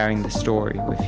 berbagi cerita dengan anda